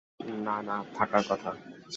না, না, থাকার কথা।